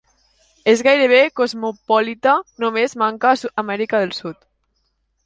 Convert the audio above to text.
És gairebé cosmopolita, només manca a Amèrica del Sud.